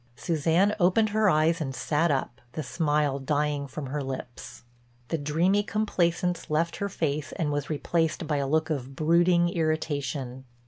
Suzanne opened her eyes and sat up, the smile dying from her lips. The dreamy complacence left her face and was replaced by a look of brooding irritation.